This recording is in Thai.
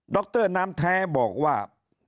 รน้ำแท้บอกว่า